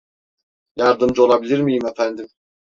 Yardımcı olabilir miyim efendim?